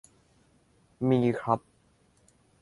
มีครับ